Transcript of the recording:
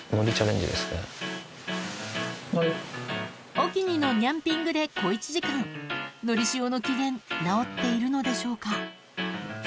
オキニのニャンピングで小一時間のりしおの機嫌直っているのでしょうか？